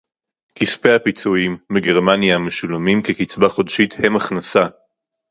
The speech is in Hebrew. כספי הפיצויים מגרמניה המשולמים כקצבה חודשית הם הכנסה